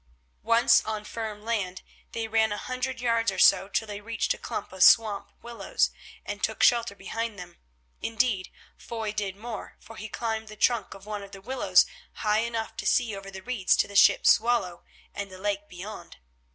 Once on firm land, they ran a hundred yards or so till they reached a clump of swamp willows, and took shelter behind them. Indeed, Foy did more, for he climbed the trunk of one of the willows high enough to see over the reeds to the ship Swallow and the lake beyond.